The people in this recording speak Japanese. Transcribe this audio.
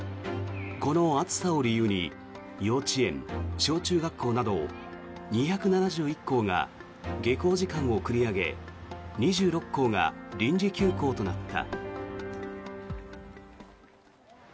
この暑さを理由に幼稚園、小中学校など２７１校が下校時間を繰り上げ２６校が臨時休校となった。